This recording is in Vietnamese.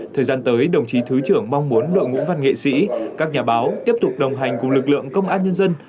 thời gian tới đồng chí thứ trưởng mong muốn đội ngũ văn nghệ sĩ các nhà báo tiếp tục đồng hành cùng lực lượng công an nhân dân